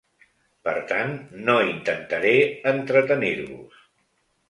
Per tant, no intentaré entretenir-vos.